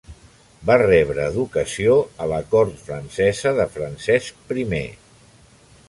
Va rebre educació a la cort francesa de Francesc I.